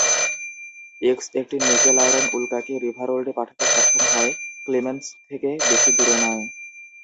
X একটি nickel iron উল্কাকে রিভারওল্ডে পাঠাতে সক্ষম হয়, ক্লিমেন্স থেকে বেশি দূরে নয়।